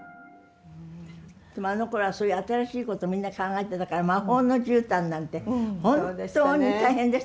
あのころはそういう新しいことをみんな考えてたから「魔法のじゅうたん」なんて本当に大変でした。